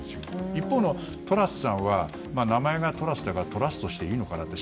一方、トラスさんは名前がトラスだからトラストしていいかなって。